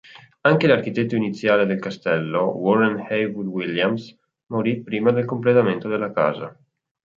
Anche l'architetto iniziale del castello, Warren Heywood Williams, morì prima del completamento della casa.